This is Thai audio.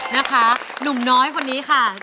นะคะหนุ่มน้อยคนนี้ค่ะ